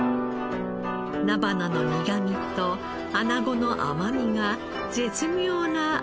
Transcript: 菜花の苦みと穴子の甘みが絶妙な味わいです。